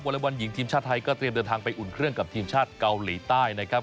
เล็กบอลหญิงทีมชาติไทยก็เตรียมเดินทางไปอุ่นเครื่องกับทีมชาติเกาหลีใต้นะครับ